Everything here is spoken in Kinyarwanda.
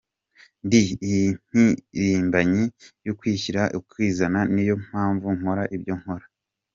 Ndi impirimbanyi y’ukwishyira ukizana, niyo mpamvu nkora ibyo nkora.